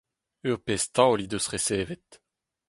Ur pezh taol he deus resevet.